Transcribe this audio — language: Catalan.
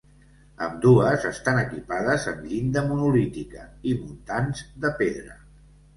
Ambdues estan equipades amb llinda monolítica i muntants de pedra.